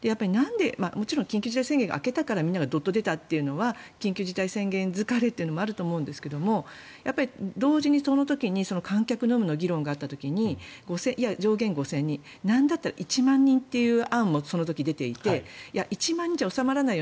もちろん緊急事態宣言が明けたからみんながドッと出たというのは緊急事態宣言疲れというのもあると思うんですけれども同時にその時に観客の有無の議論があった時にいや、上限５０００人なんだったら１万人という案もその時出ていて１万人じゃ収まらないよ